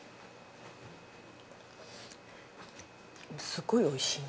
すごいおいしいな。